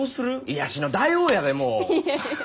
癒やしの大王やでもう。